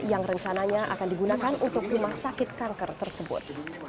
yang rencananya akan digunakan untuk rumah sakit kanker tersebut